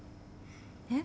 えっ？